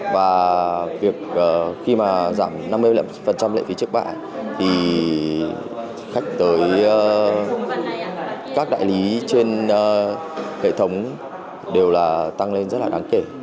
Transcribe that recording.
và khi mà giảm năm mươi năm lệ phí trước bạ thì khách tới các đại lý trên hệ thống đều là tăng lên rất là đáng kể